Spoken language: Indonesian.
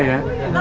kalau ini siapa